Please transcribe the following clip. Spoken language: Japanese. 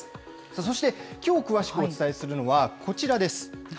そしてきょう詳しくお伝えするのは、こちらです。